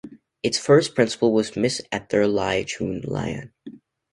Its first principal was Ms Esther Lai Choon Lian.